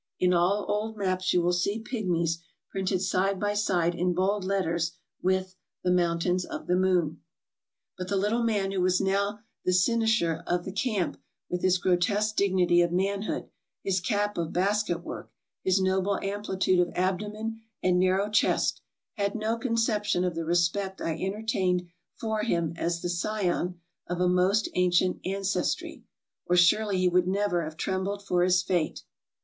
In all old maps you AFRICA 347 will see " pigmies " printed side by side in bold letters, with the Mountains of the Moon. But the little man who was now the cynosure of the camp, with his grotesque dignity of manhood, his cap of basket work, his noble amplitude of abdomen and narrow chest, had no conception of the respect I entertained for him as the scion of a most ancient ancestry, or surely he would never have trembled for his fate.